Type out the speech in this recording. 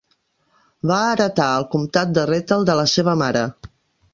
Va heretar el comtat de Rethel de la seva mare.